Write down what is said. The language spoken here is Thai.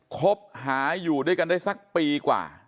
คบหาอยู่ด้วยกันได้สักปีกว่า